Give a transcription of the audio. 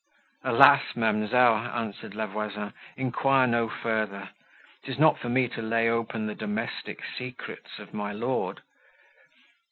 "Alas! ma'amselle," answered La Voisin, "enquire no further; it is not for me to lay open the domestic secrets of my lord."